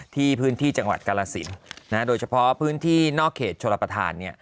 พื้นที่จังหวัดกาลสินโดยเฉพาะพื้นที่นอกเขตชลประธาน